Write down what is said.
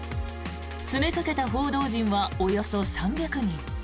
詰めかけた報道陣はおよそ３００人。